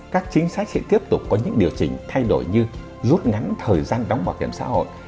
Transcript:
các chính sách sẽ tiếp tục có những điều chỉnh thay đổi như rút ngắn thời gian đóng bảo hiểm xã hội